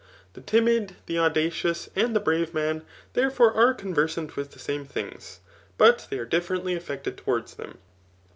The dmid, the audacious, and the brave man, therefore, are conversant with the same thmgs; but they are differentfy affected Cowards them.